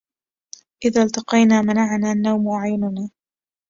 إذا التقينا منعنا النوم أعيننا